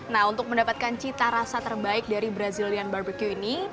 nah untuk mendapatkan cita rasa terbaik dari brazilian barbecue ini